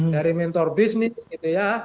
dari mentor bisnis gitu ya